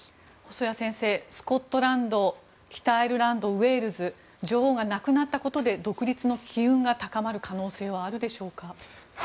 細谷先生、スコットランド北アイルランド、ウェールズ女王が亡くなったことで独立の機運が高まる可能性はあるでしょうか。